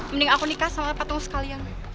mending aku nikah sama patung sekalian